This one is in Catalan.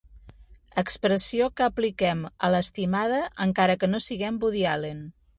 Expressió que apliquem a l'estimada, encara que no siguem Woody Allen.